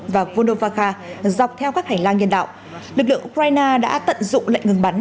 và vunovaka dọc theo các hành lang nhân đạo lực lượng ukraina đã tận dụng lệnh ngừng bắn